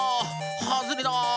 はずれだ！